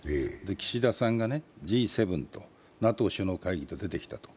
岸田さんがＧ７とＮＡＴＯ首脳会議と出てきたと。